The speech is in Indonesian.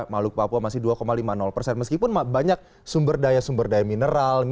makhluk papua masih dua lima puluh persen meskipun banyak sumber daya sumber daya mineral